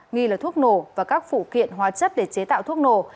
nghi là thuốc nổ và các phụ kiện hóa chất để chế tạo thuốc nổ